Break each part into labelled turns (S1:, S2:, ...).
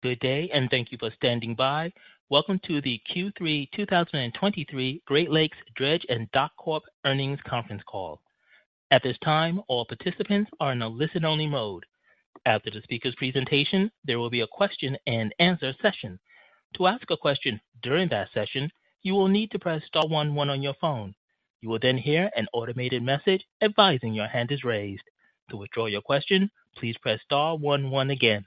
S1: Good day, and thank you for standing by. Welcome to the Q3 2023 Great Lakes Dredge & Dock Corp Earnings Conference Call. At this time, all participants are in a listen-only mode. After the speaker's presentation, there will be a question-and-answer session. To ask a question during that session, you will need to press star one one on your phone. You will then hear an automated message advising your hand is raised. To withdraw your question, please press star one one again.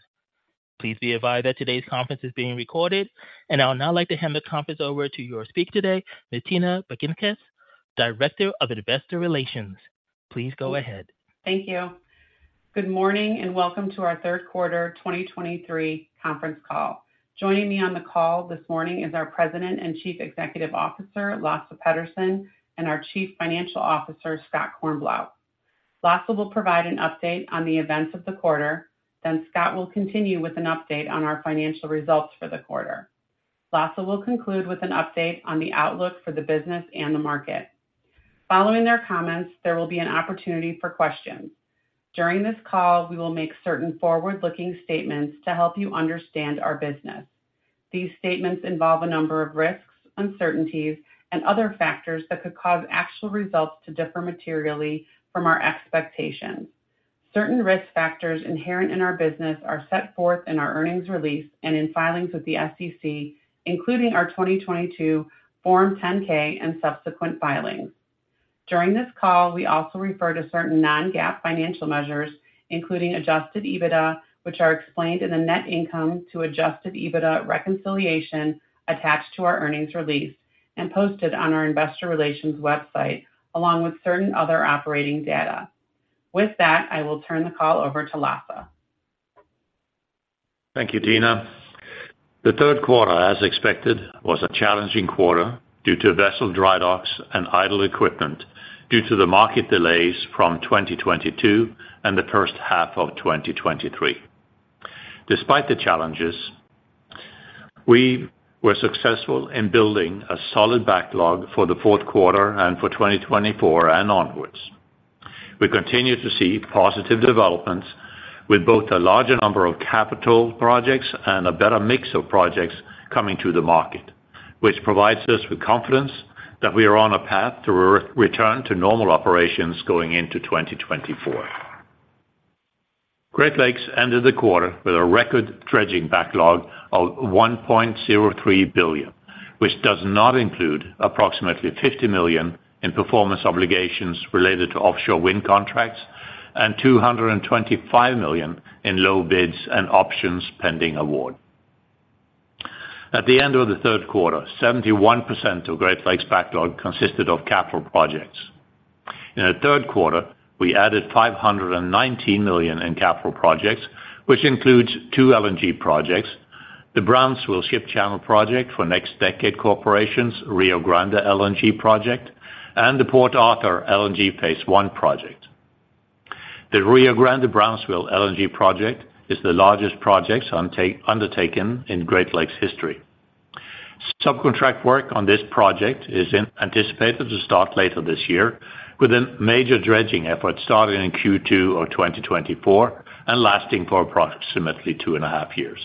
S1: Please be advised that today's conference is being recorded. I would now like to hand the conference over to your speaker today, Tina Baginskis, Director of Investor Relations. Please go ahead.
S2: Thank you. Good morning, and welcome to our Q3 2023 Conference Call. Joining me on the call this morning is our President and Chief Executive Officer, Lasse Petterson, and our Chief Financial Officer, Scott Kornblau. Lasse will provide an update on the events of the quarter, then Scott will continue with an update on our financial results for the quarter. Lasse will conclude with an update on the outlook for the business and the market. Following their comments, there will be an opportunity for questions. During this call, we will make certain forward-looking statements to help you understand our business. These statements involve a number of risks, uncertainties, and other factors that could cause actual results to differ materially from our expectations. Certain risk factors inherent in our business are set forth in our earnings release and in filings with the SEC, including our 2022 Form 10-K and subsequent filings. During this call, we also refer to certain non-GAAP financial measures, including Adjusted EBITDA, which are explained in the net income to Adjusted EBITDA reconciliation attached to our earnings release and posted on our investor relations website, along with certain other operating data. With that, I will turn the call over to Lasse.
S3: Thank you, Tina. The Q3, as expected, was a challenging quarter due to vessel dry docks and idle equipment due to the market delays from 2022 and the H1 of 2023. Despite the challenges, we were successful in building a solid backlog for the Q4 and for 2024 and onwards. We continue to see positive developments with both a larger number of capital projects and a better mix of projects coming to the market, which provides us with confidence that we are on a path to return to normal operations going into 2024. Great Lakes ended the quarter with a record dredging backlog of $1.03 billion, which does not include approximately $50 million in performance obligations related to offshore wind contracts and $225 million in low bids and options pending award. At the end of the Q3, 71% of Great Lakes backlog consisted of capital projects. In the Q3, we added $519 million in capital projects, which includes two LNG projects, the Brownsville Ship Channel Project for NextDecade Corporation's Rio Grande LNG project, and the Port Arthur LNG Phase 1 project. The Rio Grande Brownsville LNG project is the largest project undertaken in Great Lakes history. Subcontract work on this project is anticipated to start later this year, with a major dredging effort starting in Q2 of 2024 and lasting for approximately two and a half years.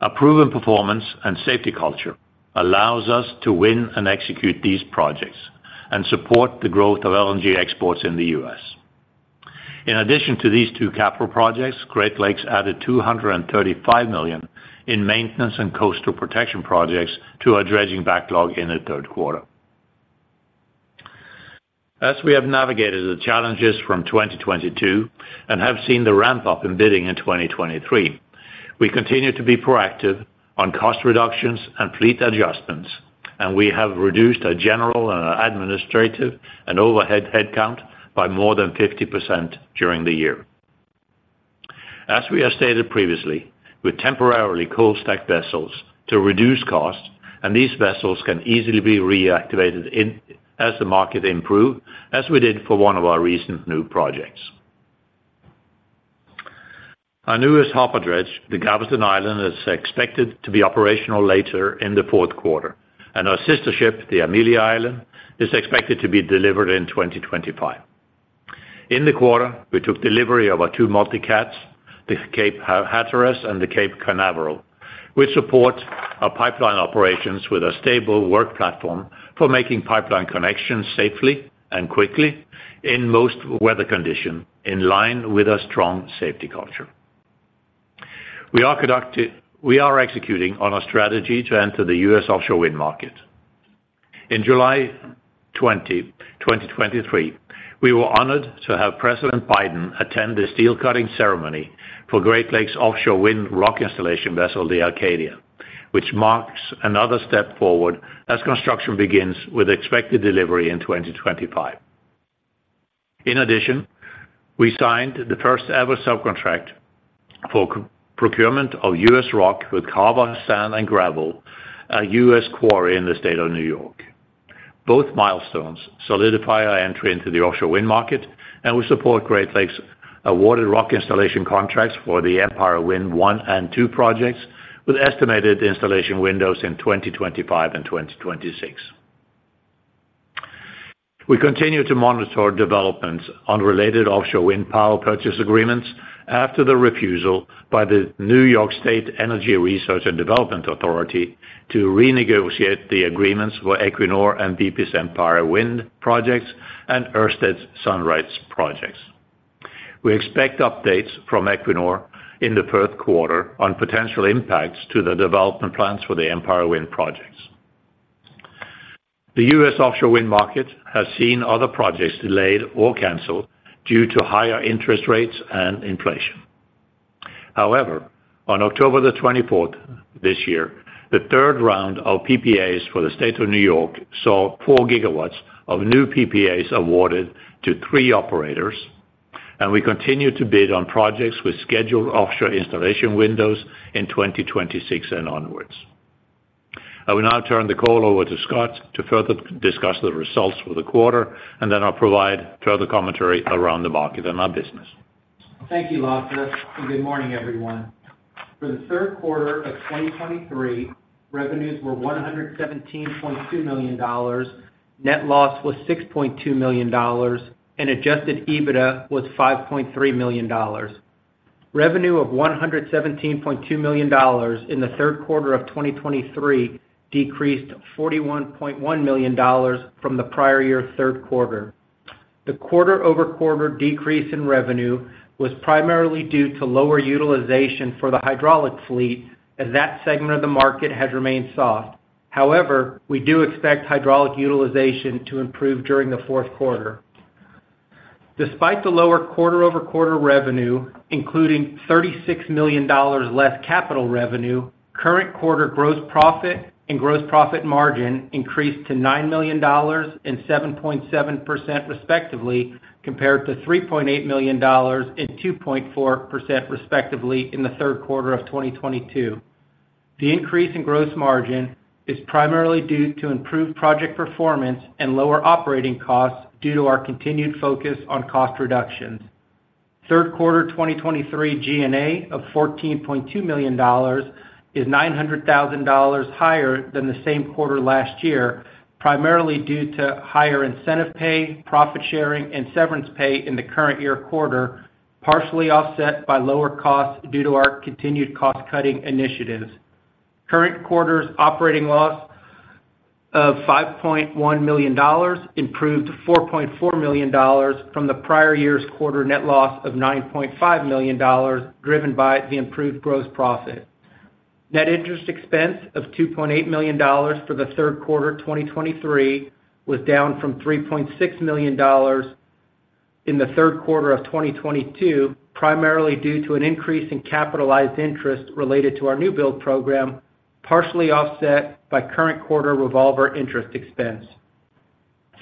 S3: A proven performance and safety culture allows us to win and execute these projects and support the growth of LNG exports in the U.S. In addition to these two capital projects, Great Lakes added $235 million in maintenance and coastal protection projects to our dredging backlog in the Q3. As we have navigated the challenges from 2022 and have seen the ramp-up in bidding in 2023, we continue to be proactive on cost reductions and fleet adjustments, and we have reduced our general and our administrative and overhead headcount by more than 50% during the year. As we have stated previously, we temporarily cold stacked vessels to reduce costs, and these vessels can easily be reactivated in as the market improve, as we did for one of our recent new projects. Our newest hopper dredge, the Galveston Island, is expected to be operational later in the Q4, and our sister ship, the Amelia Island, is expected to be delivered in 2025. In the quarter, we took delivery of our two Multi-Cats, the Cape Hatteras and the Cape Canaveral, which support our pipeline operations with a stable work platform for making pipeline connections safely and quickly in most weather conditions, in line with our strong safety culture. We are executing on our strategy to enter the U.S. offshore wind market. In July 20th, 2023, we were honored to have President Biden attend the steel cutting ceremony for Great Lakes offshore wind rock installation vessel, the Acadia, which marks another step forward as construction begins with expected delivery in 2025. In addition, we signed the first-ever subcontract for procurement of U.S. rock with Carver Sand and Gravel, a U.S. quarry in the state of New York. Both milestones solidify our entry into the offshore wind market, and we support Great Lakes awarded rock installation contracts for the Empire Wind I and II projects, with estimated installation windows in 2025 and 2026. We continue to monitor developments on related offshore wind power purchase agreements after the refusal by the New York State Energy Research and Development Authority to renegotiate the agreements for Equinor and BP's Empire Wind projects and Ørsted's Sunrise projects. We expect updates from Equinor in the Q3 on potential impacts to the development plans for the Empire Wind projects. The U.S. offshore wind market has seen other projects delayed or canceled due to higher interest rates and inflation. However, on October 24th, 2023, the third round of PPAs for the state of New York saw 4 GW of new PPAs awarded to three operators, and we continue to bid on projects with scheduled offshore installation windows in 2026 and onwards. I will now turn the call over to Scott to further discuss the results for the quarter, and then I'll provide further commentary around the market and our business.
S4: Thank you, Lasse, and good morning, everyone. For the Q3 of 2023, revenues were $117.2 million, net loss was $6.2 million, and Adjusted EBITDA was $5.3 million. Revenue of $117.2 million in the Q3 of 2023 decreased $41.1 million from the prior year Q3. The quarter-over-quarter decrease in revenue was primarily due to lower utilization for the hydraulic fleet, as that segment of the market has remained soft. However, we do expect hydraulic utilization to improve during the Q4. Despite the lower quarter-over-quarter revenue, including $36 million less capital revenue, current quarter gross profit and gross profit margin increased to $9 million and 7.7%, respectively, compared to $3.8 million and 2.4%, respectively, in the Q3 of 2022. The increase in gross margin is primarily due to improved project performance and lower operating costs due to our continued focus on cost reductions. Q3, 2023 G&A of $14.2 million is $900,000 higher than the same quarter last year, primarily due to higher incentive pay, profit sharing, and severance pay in the current year quarter, partially offset by lower costs due to our continued cost-cutting initiatives. Current quarter's operating loss of $5.1 million improved to $4.4 million from the prior year's quarter net loss of $9.5 million, driven by the improved gross profit. Net interest expense of $2.8 million for the Q3 2023 was down from $3.6 million in the Q3 of 2022, primarily due to an increase in capitalized interest related to our new build program, partially offset by current quarter revolver interest expense.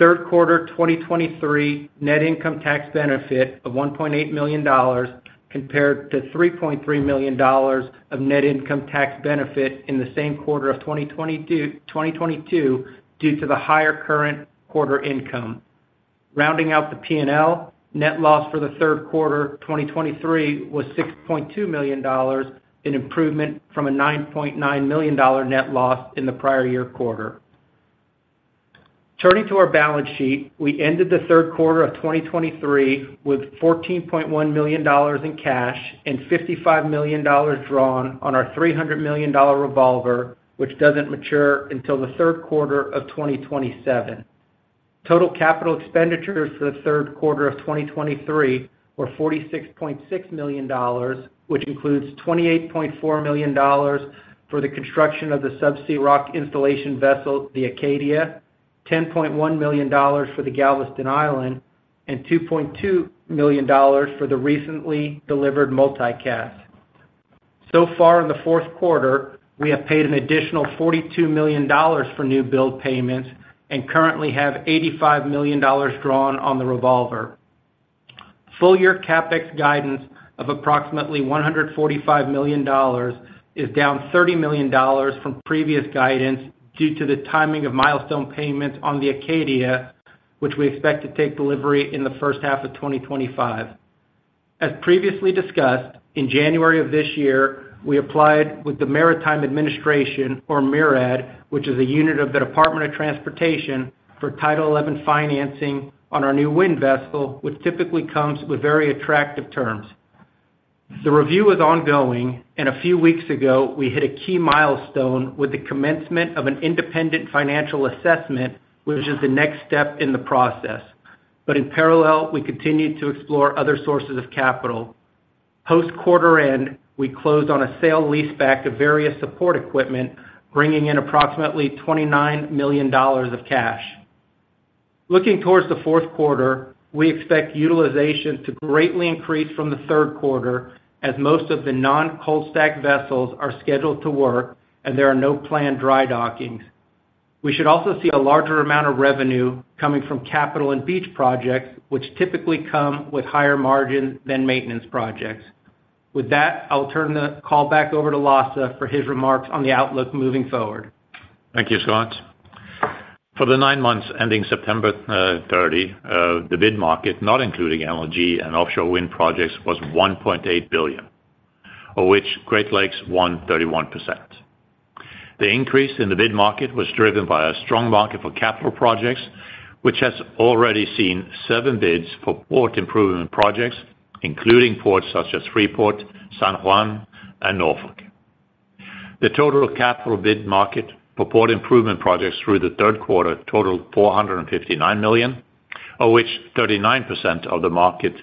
S4: Q3 2023 net income tax benefit of $1.8 million, compared to $3.3 million of net income tax benefit in the same quarter of 2022, due to the higher current quarter income. Rounding out the P&L, net loss for the Q3, 2023, was $6.2 million, an improvement from a $9.9 million dollar net loss in the prior year quarter. Turning to our balance sheet, we ended the Q3 of 2023 with $14.1 million in cash and $55 million drawn on our $300 million dollar revolver, which doesn't mature until the Q3 of 2027. Total capital expenditures for the Q3 of 2023 were $46.6 million, which includes $28.4 million for the construction of the subsea rock installation vessel, the Acadia, $10.1 million for the Galveston Island, and $2.2 million for the recently delivered multi-cat. So far in the Q4, we have paid an additional $42 million for new build payments and currently have $85 million drawn on the revolver. Full-year CapEx guidance of approximately $145 million is down $30 million from previous guidance due to the timing of milestone payments on the Acadia, which we expect to take delivery in the H1 of 2025. As previously discussed, in January of this year, we applied with the Maritime Administration, or MARAD, which is a unit of the Department of Transportation, for Title XI financing on our new wind vessel, which typically comes with very attractive terms. The review is ongoing, and a few weeks ago, we hit a key milestone with the commencement of an independent financial assessment, which is the next step in the process. But in parallel, we continued to explore other sources of capital. Post-quarter end, we closed on a sale leaseback of various support equipment, bringing in approximately $29 million of cash. Looking towards the Q4, we expect utilization to greatly increase from the Q3, as most of the non-cold-stacked vessels are scheduled to work and there are no planned dry dockings. We should also see a larger amount of revenue coming from capital and beach projects, which typically come with higher margin than maintenance projects. With that, I'll turn the call back over to Lasse for his remarks on the outlook moving forward.
S3: Thank you, Scott. For the nine months ending September 30th, the bid market, not including LNG and offshore wind projects, was $1.8 billion, of which Great Lakes won 31%. The increase in the bid market was driven by a strong market for capital projects, which has already seen seven bids for port improvement projects, including ports such as Freeport, San Juan, and Norfolk. The total capital bid market for port improvement projects through the Q3 totaled $459 million, of which 39% of the market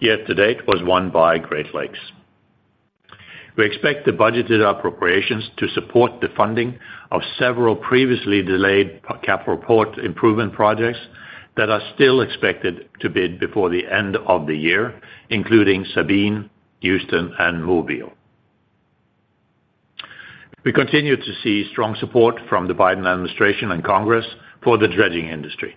S3: year to date was won by Great Lakes. We expect the budgeted appropriations to support the funding of several previously delayed capital port improvement projects that are still expected to bid before the end of the year, including Sabine, Houston, and Mobile. We continue to see strong support from the Biden administration and Congress for the dredging industry.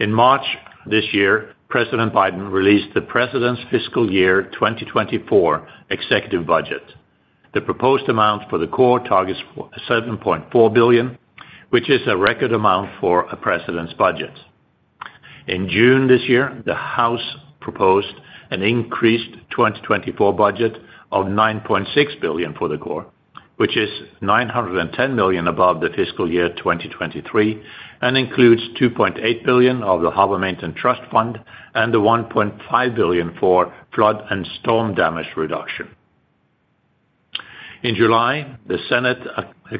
S3: In March this year, President Biden released the President's Fiscal Year 2024 executive budget. The proposed amount for the Corps targets $7.4 billion, which is a record amount for a president's budget. In June this year, the House proposed an increased 2024 budget of $9.6 billion for the Corps, which is $910 million above the fiscal year 2023, and includes $2.8 billion of the Harbor Maintenance Trust Fund and the $1.5 billion for flood and storm damage reduction. In July, the Senate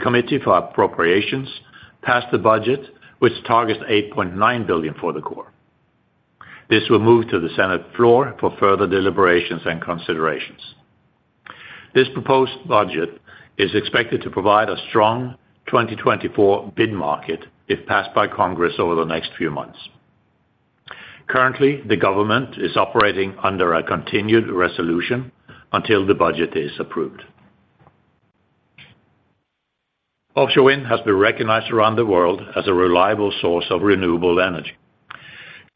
S3: Committee for Appropriations passed the budget, which targets $8.9 billion for the Corps. This will move to the Senate floor for further deliberations and considerations. This proposed budget is expected to provide a strong 2024 bid market if passed by Congress over the next few months. Currently, the government is operating under a continuing resolution until the budget is approved. Offshore wind has been recognized around the world as a reliable source of renewable energy.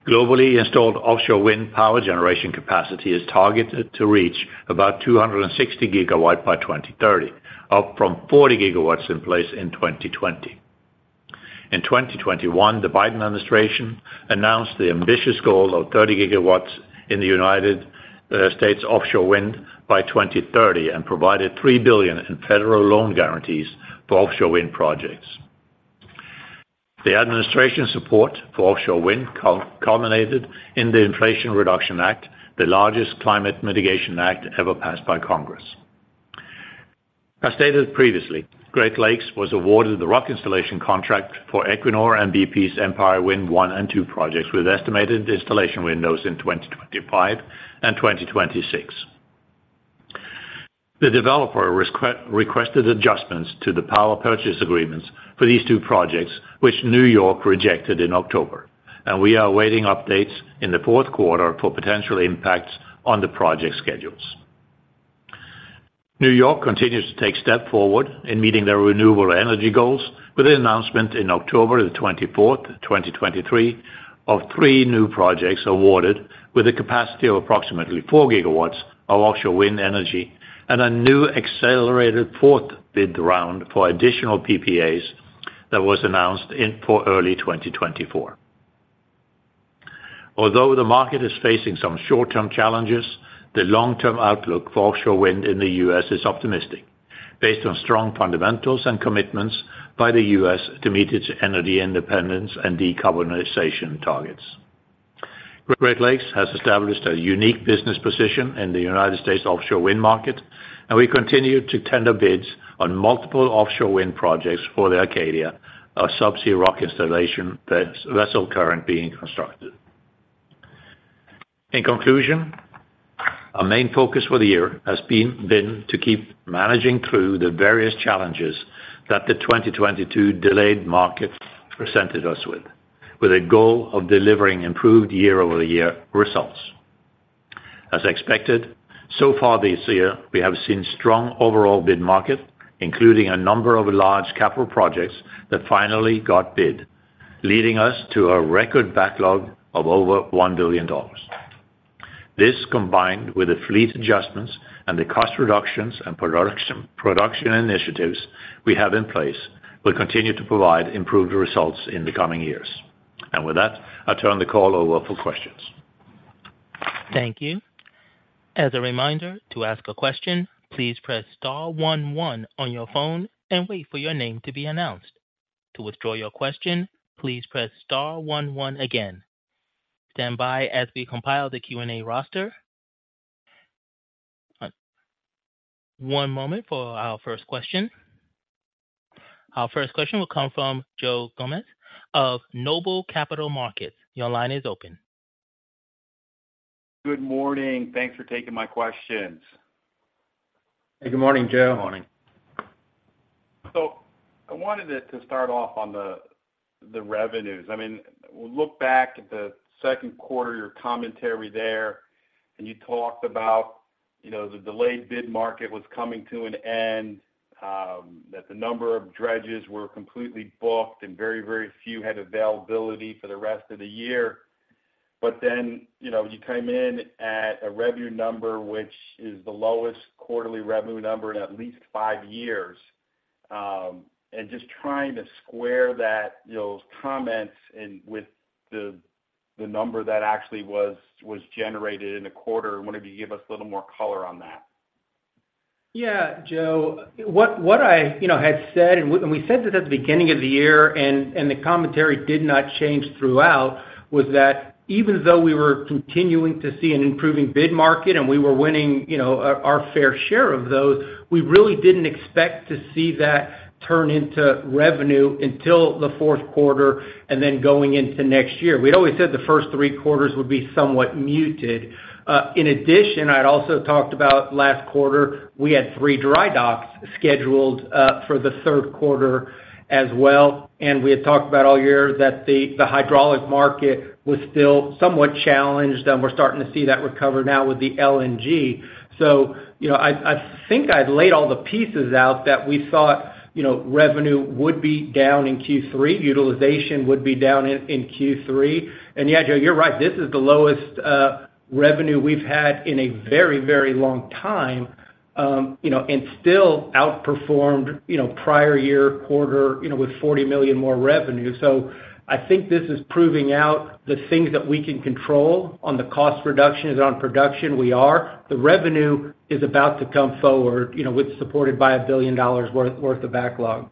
S3: Globally, installed offshore wind power generation capacity is targeted to reach about 260 GW by 2030, up from 40 GW in place in 2020. In 2021, the Biden administration announced the ambitious goal of 30 GW in the United States offshore wind by 2030, and provided $3 billion in federal loan guarantees for offshore wind projects. The administration support for offshore wind culminated in the Inflation Reduction Act, the largest climate mitigation act ever passed by Congress. As stated previously, Great Lakes was awarded the rock installation contract for Equinor and BP's Empire Wind I and II projects, with estimated installation windows in 2025 and 2026. The developer requested adjustments to the power purchase agreements for these two projects, which New York rejected in October, and we are awaiting updates in the Q4 for potential impacts on the project schedules. New York continues to take step forward in meeting their renewable energy goals with an announcement in October 24th, 2023, of three new projects awarded with a capacity of approximately 4 gigawatts of offshore wind energy and a new accelerated fourth bid round for additional PPAs that was announced for early 2024. Although the market is facing some short-term challenges, the long-term outlook for offshore wind in the U.S. is optimistic, based on strong fundamentals and commitments by the U.S. to meet its energy independence and decarbonization targets. Great Lakes has established a unique business position in the United States offshore wind market, and we continue to tender bids on multiple offshore wind projects for the Acadia, a subsea rock installation vessel currently being constructed. In conclusion, our main focus for the year has been to keep managing through the various challenges that the 2022 delayed market presented us with, with a goal of delivering improved year-over-year results. As expected, so far this year, we have seen strong overall bid market, including a number of large capital projects that finally got bid, leading us to a record backlog of over $1 billion. This, combined with the fleet adjustments and the cost reductions and production initiatives we have in place, will continue to provide improved results in the coming years. With that, I'll turn the call over for questions.
S1: Thank you. As a reminder, to ask a question, please press star one one on your phone and wait for your name to be announced. To withdraw your question, please press star one one again. Stand by as we compile the Q&A roster. One moment for our first question. Our first question will come from Joe Gomes of Noble Capital Markets. Your line is open.
S5: Good morning. Thanks for taking my questions.
S3: Good morning, Joe.
S5: Good morning. So I wanted to start off on the revenues. I mean, we look back at the Q2, your commentary there, and you talked about, you know, the delayed bid market was coming to an end, that the number of dredges were completely booked and very, very few had availability for the rest of the year. But then, you know, you came in at a revenue number, which is the lowest quarterly revenue number in at least five years. And just trying to square that, those comments and with the number that actually was generated in the quarter. I wonder if you give us a little more color on that?
S4: Yeah, Joe, what I, you know, had said, and we said it at the beginning of the year, and the commentary did not change throughout, was that even though we were continuing to see an improving bid market and we were winning, you know, our fair share of those, we really didn't expect to see that turn into revenue until the Q4, and then going into next year. We'd always said the first three quarters would be somewhat muted. In addition, I'd also talked about last quarter, we had three dry docks scheduled for the Q3 as well, and we had talked about all year that the hydraulic market was still somewhat challenged, and we're starting to see that recover now with the LNG. So, you know, I think I'd laid all the pieces out that we thought, you know, revenue would be down in Q3, utilization would be down in Q3. And yeah, Joe, you're right, this is the lowest revenue we've had in a very, very long time, you know, and still outperformed, you know, prior year quarter, you know, with $40 million more revenue. So I think this is proving out the things that we can control on the cost reductions, on production, we are. The revenue is about to come forward, you know, with supported by $1 billion worth of backlog.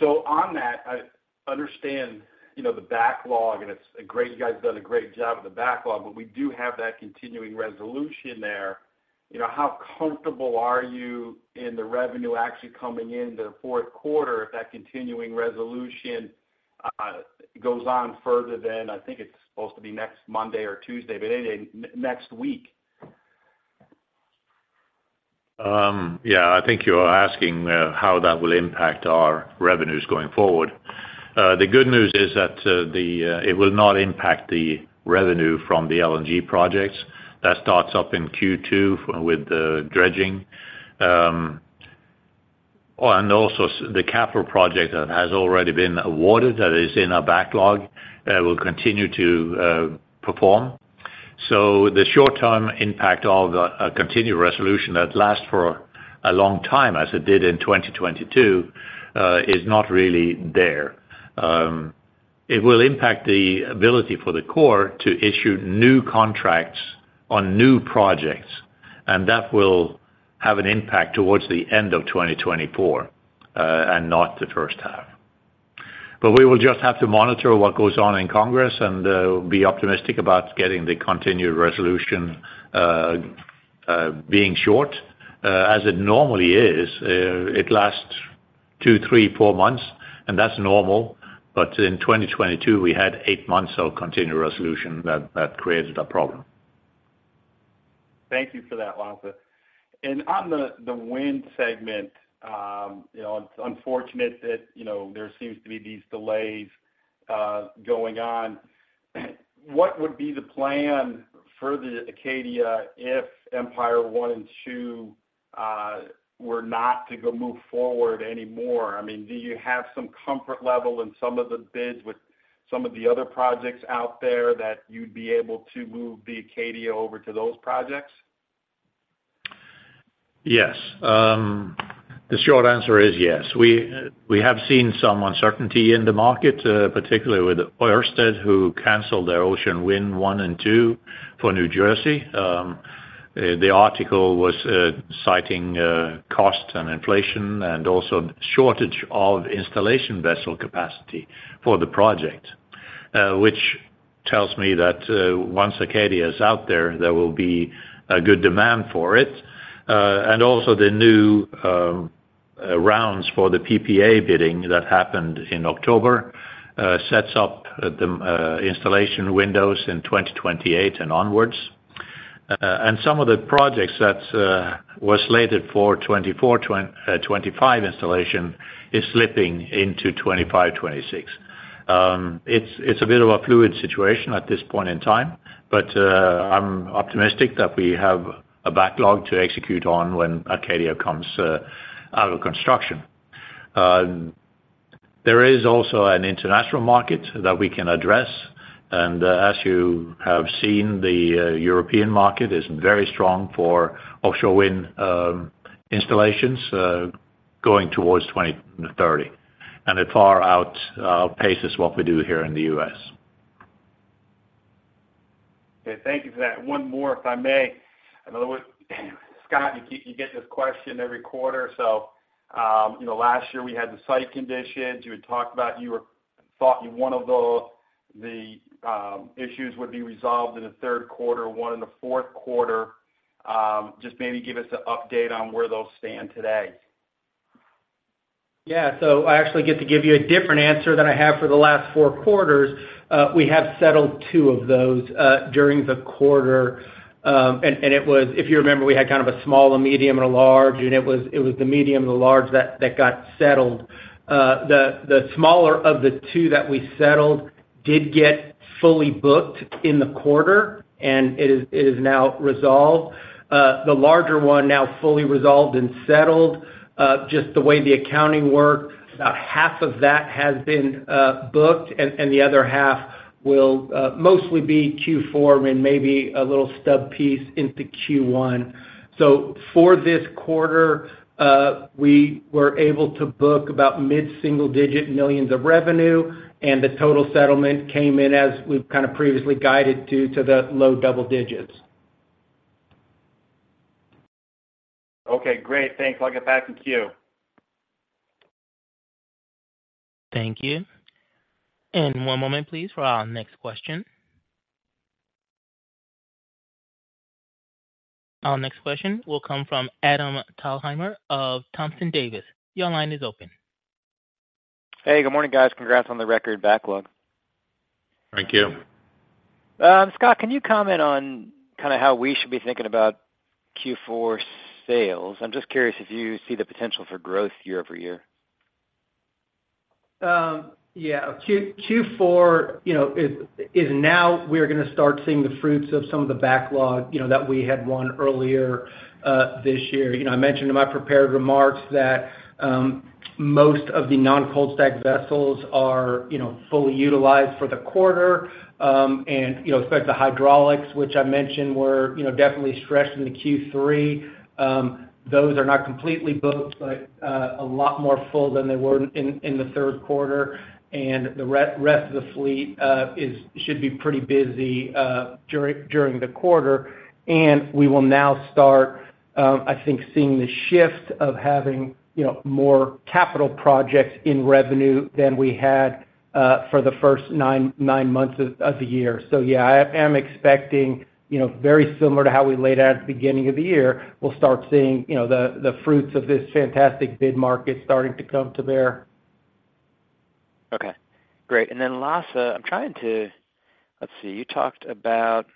S5: So on that, I understand, you know, the backlog, and it's a great, you guys have done a great job with the backlog, but we do have that Continuing Resolution there. You know, how comfortable are you in the revenue actually coming in the Q4 if that Continuing Resolution goes on further than I think it's supposed to be next Monday or Tuesday, but any, next week?
S3: Yeah, I think you're asking how that will impact our revenues going forward. The good news is that it will not impact the revenue from the LNG projects. That starts up in Q2 with the dredging. Oh, and also the capital project that has already been awarded, that is in our backlog, will continue to perform. So the short-term impact of a continuing resolution that lasts for a long time, as it did in 2022, is not really there. It will impact the ability for the Corps to issue new contracts on new projects, and that will have an impact towards the end of 2024, and not the H1. But we will just have to monitor what goes on in Congress and be optimistic about getting the continuing resolution being short, as it normally is. It lasts two, three, four months, and that's normal. But in 2022, we had 8 months of continuing resolution that created a problem.
S5: Thank you for that, Lasse. And on the wind segment, you know, it's unfortunate that, you know, there seems to be these delays going on. What would be the plan for the Acadia if Empire I and II were not to go move forward anymore? I mean, do you have some comfort level in some of the bids with some of the other projects out there that you'd be able to move the Acadia over to those projects?
S3: Yes. The short answer is yes. We, we have seen some uncertainty in the market, particularly with Ørsted, who canceled their Ocean Wind I and II for New Jersey. The article was citing cost and inflation, and also shortage of installation vessel capacity for the project. Which tells me that once Acadia is out there, there will be a good demand for it. And also the new rounds for the PPA bidding that happened in October sets up the installation windows in 2028 and onwards. And some of the projects that were slated for 2024, 2025 installation is slipping into 2025, 2026. It's a bit of a fluid situation at this point in time, but I'm optimistic that we have a backlog to execute on when Acadia comes out of construction. There is also an international market that we can address, and as you have seen, the European market is very strong for offshore wind installations going towards 2030, and it far outpaces what we do here in the U.S.
S5: Okay, thank you for that. One more, if I may. In other words, Scott, you get this question every quarter. So, you know, last year we had the site conditions. You had talked about thought one of the issues would be resolved in the Q3, one in the Q4. Just maybe give us an update on where those stand today.
S4: Yeah, so I actually get to give you a different answer than I have for the last four quarters. We have settled two of those during the quarter. And it was, if you remember, we had kind of a small, a medium, and a large, and it was the medium and the large that got settled. The smaller of the two that we settled did get fully booked in the quarter, and it is now resolved. The larger one, now fully resolved and settled. Just the way the accounting worked, about half of that has been booked, and the other half will mostly be Q4 and maybe a little stub piece into Q1. So for this quarter, we were able to book about $mid-single-digit millions of revenue, and the total settlement came in, as we've kind of previously guided to the low double digits.
S5: Okay, great. Thanks. I'll get back in queue.
S1: Thank you. One moment, please, for our next question. Our next question will come from Adam Thalhimer of Thompson Davis. Your line is open.
S6: Hey, good morning, guys. Congrats on the record backlog.
S3: Thank you.
S6: Scott, can you comment on kind of how we should be thinking about Q4 sales? I'm just curious if you see the potential for growth year-over-year.
S4: Yeah, Q4, you know, is now we're going to start seeing the fruits of some of the backlog, you know, that we had won earlier this year. You know, I mentioned in my prepared remarks that most of the non-cold stack vessels are, you know, fully utilized for the quarter. And, you know, expect the hydraulics, which I mentioned were, you know, definitely stretched into Q3. Those are not completely booked, but a lot more full than they were in the Q3. The rest of the fleet should be pretty busy during the quarter. And we will now start, I think, seeing the shift of having, you know, more capital projects in revenue than we had for the first nine months of the year. So yeah, I am expecting, you know, very similar to how we laid out at the beginning of the year. We'll start seeing, you know, the fruits of this fantastic bid market starting to come to bear.
S6: Okay, great. And then, Lasse, I'm trying to, let's see, you talked about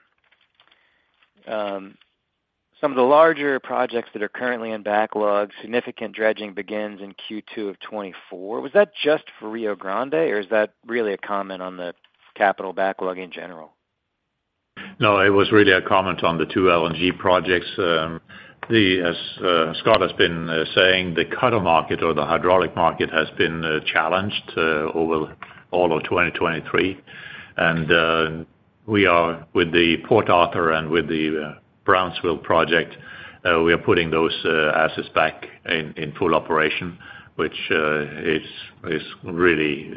S6: some of the larger projects that are currently in backlog. Significant dredging begins in Q2 of 2024. Was that just for Rio Grande, or is that really a comment on the capital backlog in general?
S3: No, it was really a comment on the two LNG projects. As Scott has been saying, the cutter market or the hydraulic market has been challenged over all of 2023. And we are with the Port Arthur and with the Brownsville project, we are putting those assets back in full operation, which is really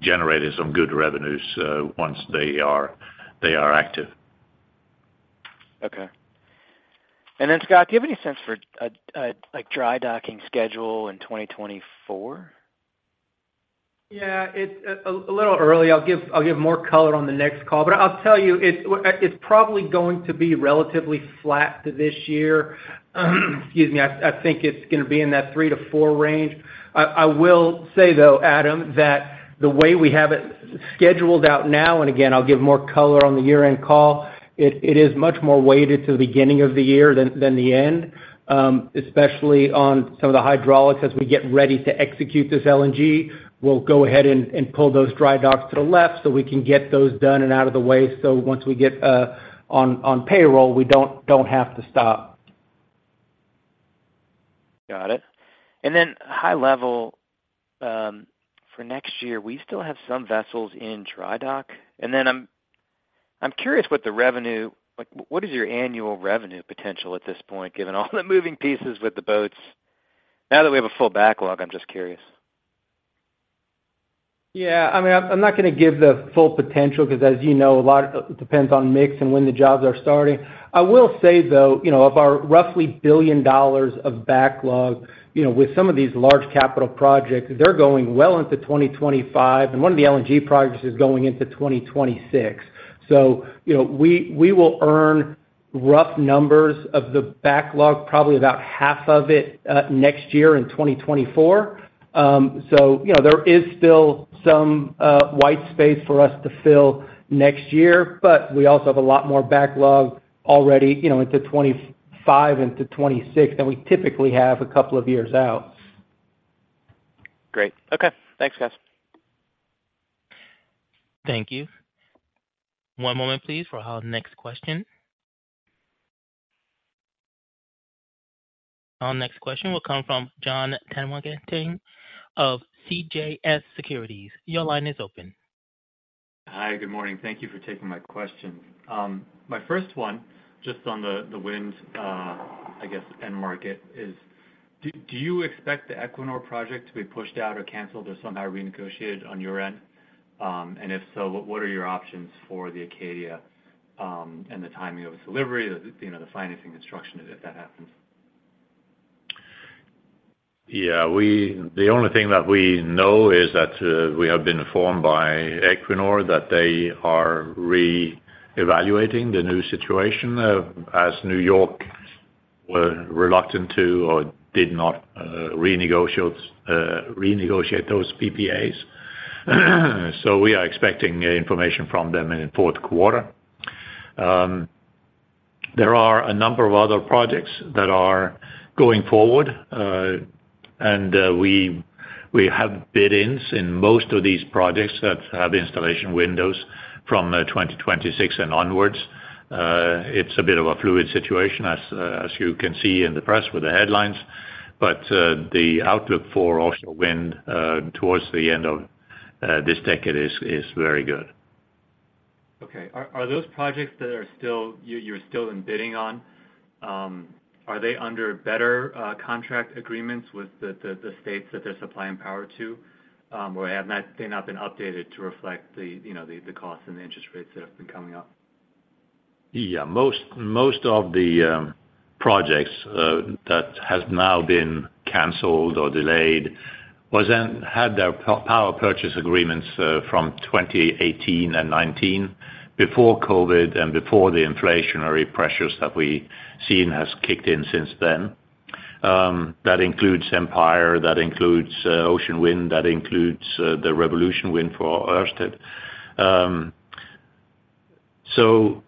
S3: generating some good revenues once they are active.
S6: Okay. And then, Scott, do you have any sense for, like, dry docking schedule in 2024?
S4: Yeah, it's a little early. I'll give more color on the next call, but I'll tell you, it's probably going to be relatively flat to this year. Excuse me. I think it's going to be in that three to four range. I will say, though, Adam, that the way we have it scheduled out now, and again, I'll give more color on the year-end call, it is much more weighted to the beginning of the year than the end, especially on some of the hydraulics. As we get ready to execute this LNG, we'll go ahead and pull those dry docks to the left so we can get those done and out of the way. So once we get on payroll, we don't have to stop.
S6: Got it. And then high level, for next year, we still have some vessels in dry dock. And then I'm curious what the revenue, like, what is your annual revenue potential at this point, given all the moving pieces with the boats? Now that we have a full backlog, I'm just curious.
S4: Yeah, I mean, I'm not going to give the full potential because, as you know, a lot depends on mix and when the jobs are starting. I will say, though, you know, of our roughly $1 billion of backlog, you know, with some of these large capital projects, they're going well into 2025, and one of the LNG projects is going into 2026. So, you know, we, we will earn rough numbers of the backlog, probably about half of it next year in 2024. So, you know, there is still some white space for us to fill next year, but we also have a lot more backlog already, you know, into 2025, into 2026 than we typically have a couple of years out.
S6: Great. Okay. Thanks, guys.
S1: Thank you. One moment, please, for our next question. Our next question will come from John Tanwanteng of CJS Securities. Your line is open.
S7: Hi, good morning. Thank you for taking my question. My first one, just on the wind end market is: Do you expect the Equinor project to be pushed out or canceled or somehow renegotiated on your end? And if so, what are your options for the Acadia, and the timing of delivery, you know, the financing, construction, if that happens?
S3: Yeah, the only thing that we know is that we have been informed by Equinor that they are re-evaluating the new situation as New York were reluctant to or did not renegotiate those PPAs. So we are expecting information from them in the Q4. There are a number of other projects that are going forward and we have bid ins in most of these projects that have installation windows from 2026 and onwards. It's a bit of a fluid situation as you can see in the press with the headlines but the outlook for offshore wind towards the end of this decade is very good.
S7: Okay. Are those projects that you're still in bidding on, are they under better contract agreements with the states that they're supplying power to? Or have they not been updated to reflect the, you know, the costs and the interest rates that have been coming up?
S3: Yeah, most of the projects that have now been canceled or delayed had their power purchase agreements from 2018 and 2019, before COVID and before the inflationary pressures that we've seen have kicked in since then. That includes Empire, that includes Ocean Wind, that includes the Revolution Wind for Ørsted. So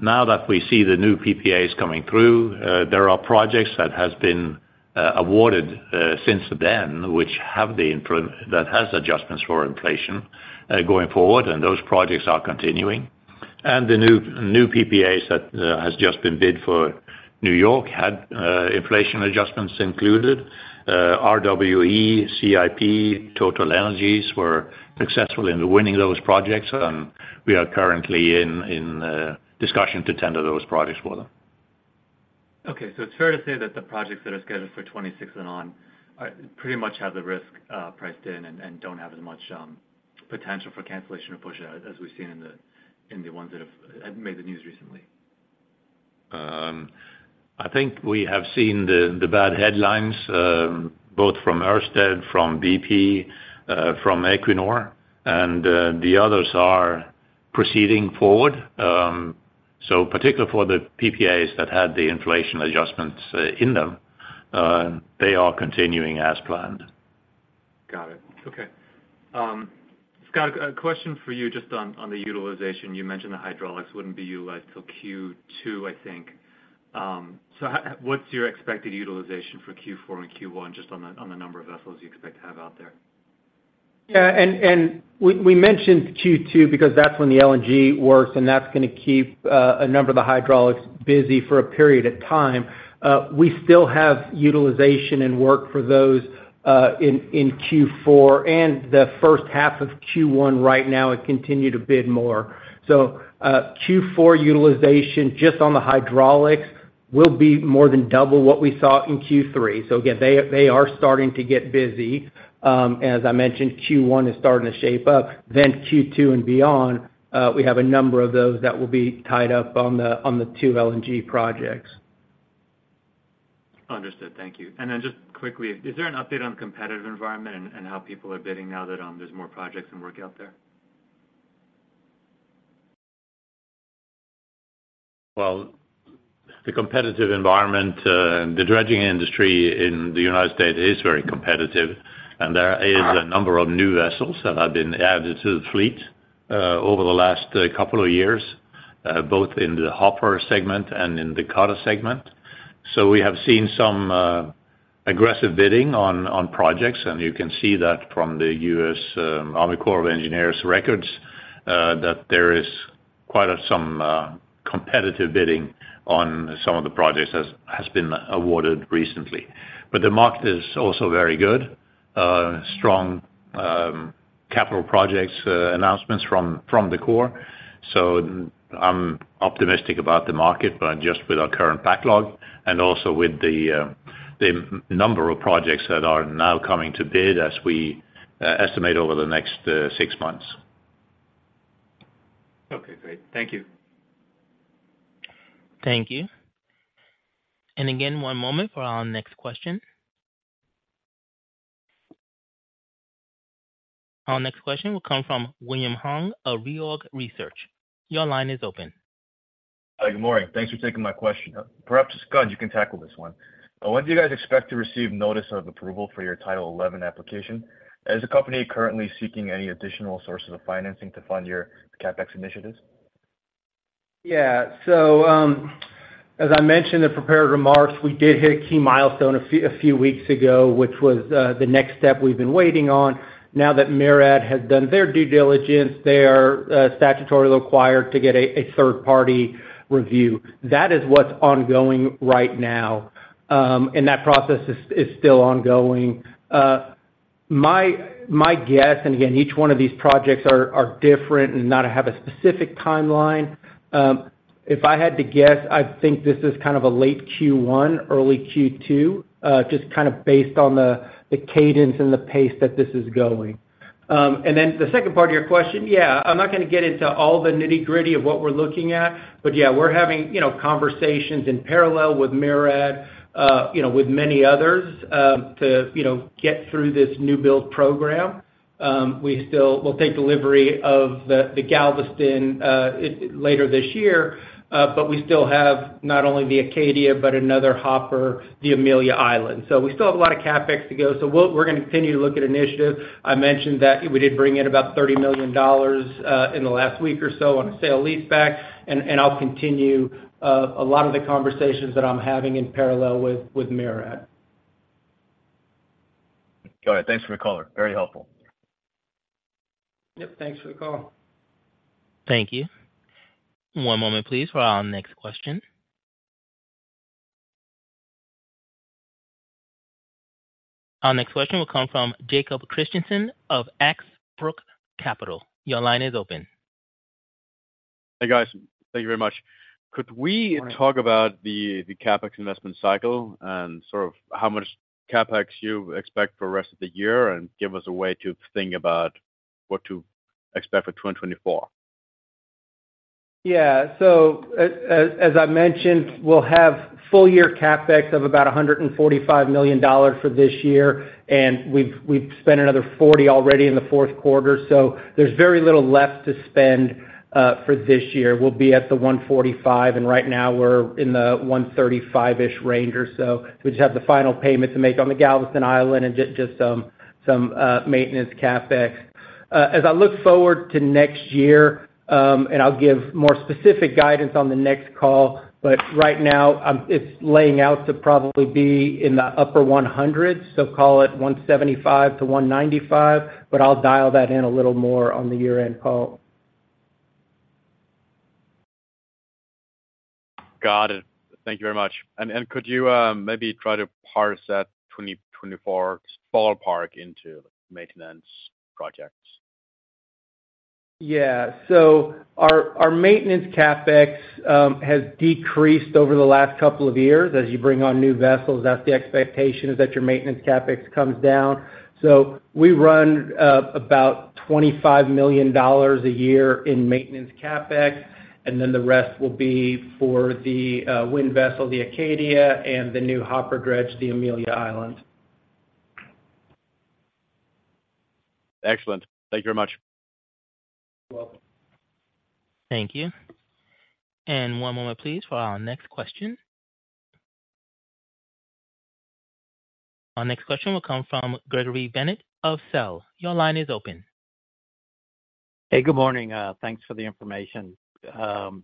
S3: now that we see the new PPAs coming through, there are projects that have been awarded since then, which have been improved, that have adjustments for inflation going forward, and those projects are continuing. And the new PPAs that have just been bid for New York had inflation adjustments included. RWE, CIP, TotalEnergies were successful in winning those projects, and we are currently in discussion to tender those projects for them.
S7: Okay, so it's fair to say that the projects that are scheduled for 2026 and on pretty much have the risk priced in and don't have as much potential for cancellation or pushout, as we've seen in the ones that have made the news recently?
S3: I think we have seen the bad headlines, both from Ørsted, from BP, from Equinor, and the others are proceeding forward. So particularly for the PPAs that had the inflation adjustments in them, they are continuing as planned.
S7: Got it. Okay. Scott, a question for you just on the utilization. You mentioned the hydraulics wouldn't be utilized till Q2, I think. So, what's your expected utilization for Q4 and Q1, just on the number of vessels you expect to have out there?
S4: Yeah, and we mentioned Q2 because that's when the LNG works, and that's gonna keep a number of the hydraulics busy for a period of time. We still have utilization and work for those in Q4 and the H1 of Q1 right now, and continue to bid more. So, Q4 utilization, just on the hydraulics, will be more than double what we saw in Q3. So again, they are starting to get busy. As I mentioned, Q1 is starting to shape up, then Q2 and beyond, we have a number of those that will be tied up on the two LNG projects.
S7: Understood. Thank you. And then just quickly, is there an update on the competitive environment and how people are bidding now that there's more projects and work out there?
S3: Well, the competitive environment, the dredging industry in the United States is very competitive, and there is a number of new vessels that have been added to the fleet, over the last couple of years, both in the hopper segment and in the cutter segment. So we have seen some aggressive bidding on projects, and you can see that from the U.S. Army Corps of Engineers records, that there is quite some competitive bidding on some of the projects as has been awarded recently. But the market is also very good. Strong capital projects announcements from the Corps. So I'm optimistic about the market, but just with our current backlog and also with the number of projects that are now coming to bid as we estimate over the next six months.
S7: Okay, great. Thank you.
S1: Thank you. And again, one moment for our next question. Our next question will come from William Hong of Reorg Research. Your line is open.
S8: Hi, good morning. Thanks for taking my question. Perhaps, Scott, you can tackle this one. When do you guys expect to receive notice of approval for your Title XI application? Is the company currently seeking any additional sources of financing to fund your CapEx initiatives?
S4: Yeah. So, as I mentioned in prepared remarks, we did hit a key milestone a few weeks ago, which was the next step we've been waiting on. Now that MARAD has done their due diligence, they are statutorily required to get a third-party review. That is what's ongoing right now, and that process is still ongoing. My guess, and again, each one of these projects are different and not have a specific timeline. If I had to guess, I'd think this is kind of a late Q1, early Q2, just kind of based on the cadence and the pace that this is going. And then the second part of your question, yeah, I'm not gonna get into all the nitty-gritty of what we're looking at, but yeah, we're having, you know, conversations in parallel with MARAD, you know, with many others, to, you know, get through this new build program. We still. We'll take delivery of the Galveston later this year, but we still have not only the Acadia, but another hopper, the Amelia Island. So we still have a lot of CapEx to go, so we'll. We're gonna continue to look at initiatives. I mentioned that we did bring in about $30 million in the last week or so on a sale-leaseback, and I'll continue a lot of the conversations that I'm having in parallel with MARAD.
S8: Got it. Thanks for the color. Very helpful.
S4: Yep, thanks for the call.
S1: Thank you. One moment, please, for our next question. Our next question will come from Jacob Christensen of Exbrook Capital. Your line is open.
S9: Hey, guys. Thank you very much. Could we talk about the CapEx investment cycle and sort of how much CapEx you expect for the rest of the year, and give us a way to think about what to expect for 2024?
S4: Yeah. So, as I mentioned, we'll have full year CapEx of about $145 million for this year, and we've spent another $40 million already in the Q4, so there's very little left to spend for this year. We'll be at the $145 million, and right now we're in the $135 million-ish range or so. We just have the final payment to make on the Galveston Island and just some maintenance CapEx. As I look forward to next year, and I'll give more specific guidance on the next call, but right now it's laying out to probably be in the upper 100s, so call it $175 million-$195 million, but I'll dial that in a little more on the year-end call.
S9: Got it. Thank you very much. And could you maybe try to parse that 2024 ballpark into maintenance projects?
S4: Yeah. Our maintenance CapEx has decreased over the last couple of years. As you bring on new vessels, that's the expectation, is that your maintenance CapEx comes down. So we run about $25 million a year in maintenance CapEx, and then the rest will be for the wind vessel, the Acadia, and the new hopper dredge, the Amelia Island.
S9: Excellent. Thank you very much.
S4: You're welcome.
S1: Thank you. One moment please for our next question. Our next question will come from Gregory Bennett of Selz. Your line is open.
S10: Hey, good morning. Thanks for the information. How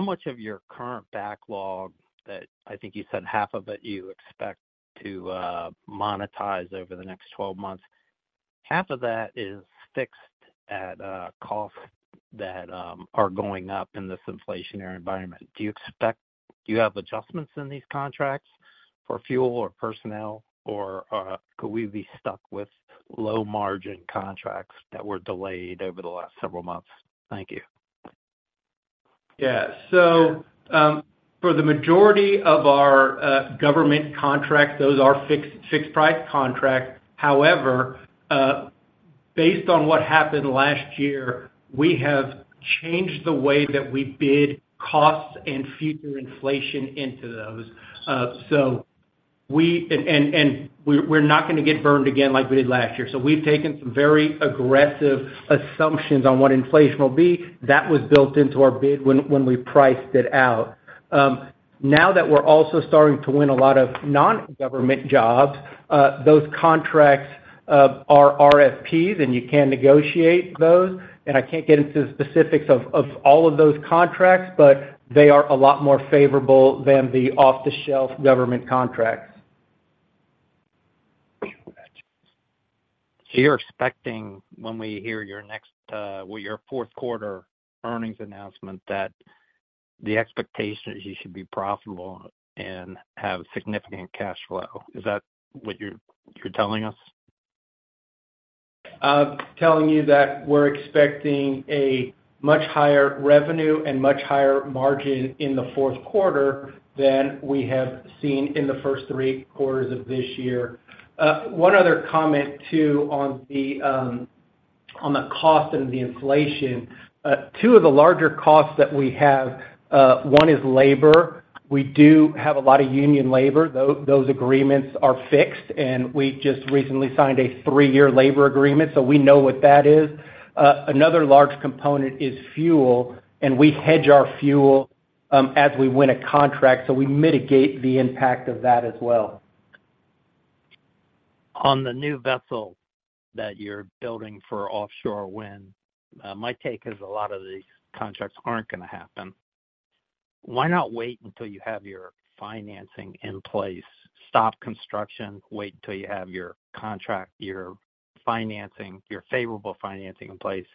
S10: much of your current backlog that I think you said half of it, you expect to monetize over the next 12 months. Half of that is fixed at costs that are going up in this inflationary environment. Do you expect, do you have adjustments in these contracts for fuel or personnel, or could we be stuck with low-margin contracts that were delayed over the last several months? Thank you.
S4: Yeah. So, for the majority of our government contracts, those are fixed price contracts. However, based on what happened last year, we have changed the way that we bid costs and future inflation into those. So we're not gonna get burned again like we did last year. So we've taken some very aggressive assumptions on what inflation will be. That was built into our bid when we priced it out. Now that we're also starting to win a lot of non-government jobs, those contracts are RFPs, and you can negotiate those, and I can't get into the specifics of all of those contracts, but they are a lot more favorable than the off-the-shelf government contracts.
S10: So you're expecting, when we hear your next, your Q4 earnings announcement, that the expectation is you should be profitable and have significant cash flow. Is that what you're, you're telling us?
S4: I'm telling you that we're expecting a much higher revenue and much higher margin in the Q4 than we have seen in the first three quarters of this year. One other comment, too, on the cost and the inflation. Two of the larger costs that we have, one is labor. We do have a lot of union labor. Those agreements are fixed, and we just recently signed a three-year labor agreement, so we know what that is. Another large component is fuel, and we hedge our fuel as we win a contract, so we mitigate the impact of that as well.
S10: On the new vessel that you're building for offshore wind, my take is a lot of these contracts aren't gonna happen. Why not wait until you have your financing in place? Stop construction, wait until you have your contract, your financing, your favorable financing in place,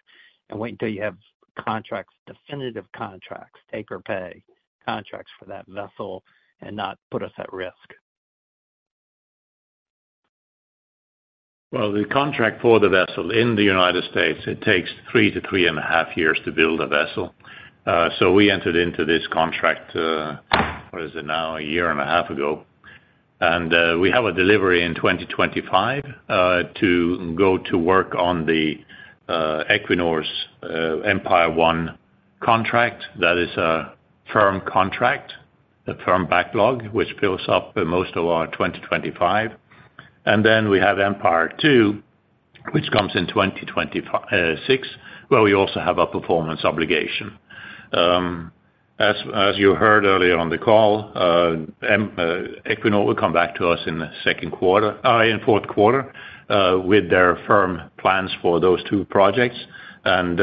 S10: and wait until you have contracts, definitive contracts, take or pay contracts for that vessel and not put us at risk.
S3: Well, the contract for the vessel in the United States, it takes 3-3.5 years to build a vessel. So we entered into this contract, what is it now? 1.5 years ago. We have a delivery in 2025 to go to work on the Equinor's Empire One contract. That is a firm contract, a firm backlog, which builds up most of our 2025. And then we have Empire II, which comes in 2026, where we also have a performance obligation. As you heard earlier on the call, Equinor will come back to us in the Q2, in Q4, with their firm plans for those two projects, and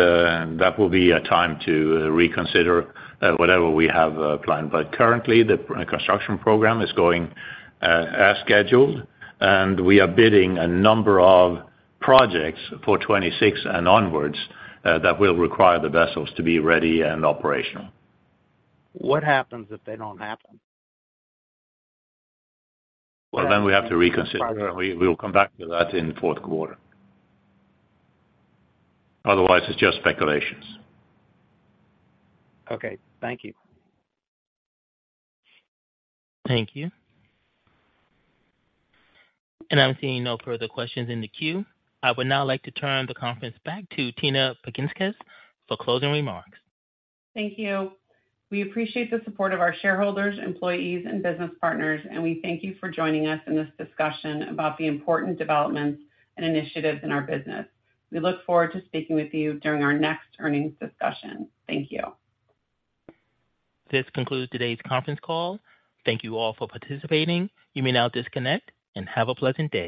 S3: that will be a time to reconsider whatever we have planned. Currently, the construction program is going as scheduled, and we are bidding a number of projects for 2026 and onwards that will require the vessels to be ready and operational.
S10: What happens if they don't happen?
S3: Well, then we have to reconsider. We, we'll come back to that in the Q4. Otherwise, it's just speculations.
S10: Okay. Thank you.
S1: Thank you. I'm seeing no further questions in the queue. I would now like to turn the conference back to Tina Baginskis for closing remarks.
S2: Thank you. We appreciate the support of our shareholders, employees, and business partners, and we thank you for joining us in this discussion about the important developments and initiatives in our business. We look forward to speaking with you during our next earnings discussion. Thank you.
S1: This concludes today's conference call. Thank you all for participating. You may now disconnect and have a pleasant day.